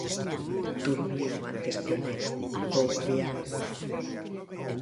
Durmiu antes que o neno. Vou aviado!